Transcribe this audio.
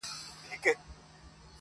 دادی اوس هم کومه، بيا کومه، بيا کومه.